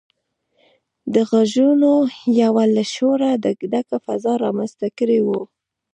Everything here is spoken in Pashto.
دې غږونو يوه له شوره ډکه فضا رامنځته کړې وه.